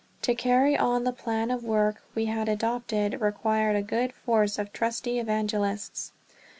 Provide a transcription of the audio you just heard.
To carry on the plan of work we had adopted required a good force of trusty evangelists.